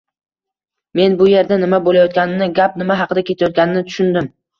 Men bu yerda nima bo‘layotganini, gap nima haqida ketayotganini tushundim.